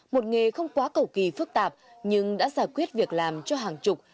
một nghề không quá cầu kỳ phức tạp nhưng đã giải quyết việc làm cho hàng chục